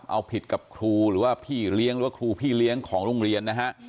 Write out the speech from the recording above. เอาผิดกับครูหรือว่าพี่เลี้ยงหรือว่าครูพี่เลี้ยงของโรงเรียนนะฮะ